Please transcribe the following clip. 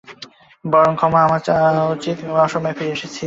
বরং ক্ষমা আমার চাওয়া উচিৎ, এই অসময়ে ফিরে এসেছি, তাই।